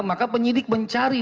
maka penyidik mencari